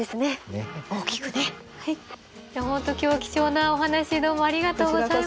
本当今日は貴重なお話どうもありがとうございました。